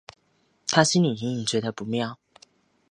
她心里隐隐觉得不妙